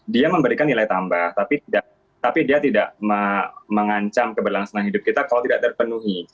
dia memberikan nilai tambah tapi dia tidak mengancam keberlangsungan hidup kita kalau tidak terpenuhi